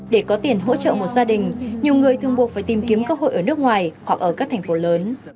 để có tiền hỗ trợ một gia đình nhiều người thường buộc phải tìm kiếm cơ hội ở nước ngoài hoặc ở các thành phố lớn